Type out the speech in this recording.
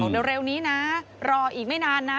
เร็วนี้นะรออีกไม่นานนะ